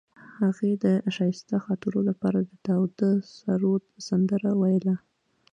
هغې د ښایسته خاطرو لپاره د تاوده سرود سندره ویله.